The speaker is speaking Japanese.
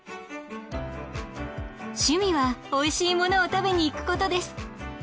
「趣味はおいしいものを食べに行くことです」。